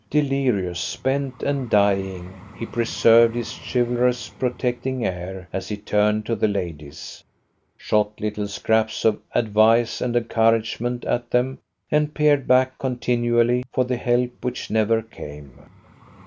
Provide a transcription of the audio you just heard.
Delirious, spent, and dying, he preserved his chivalrous, protecting air as he turned to the ladies, shot little scraps of advice and encouragement at them, and peered back continually for the help which never came.